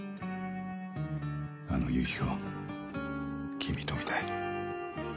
あの夕日を君と見たい。